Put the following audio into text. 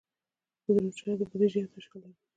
پروژه د بودیجې او تشکیل لرونکې وي.